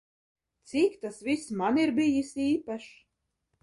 Cik tas viss man ir bijis īpašs?